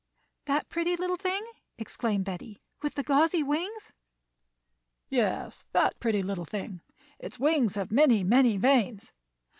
"That pretty little thing," exclaimed Betty, "with the gauzy wings?" "Yes, that pretty little thing; its wings have many, many veins.